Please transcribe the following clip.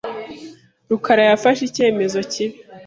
rukarayafashe icyemezo kibi.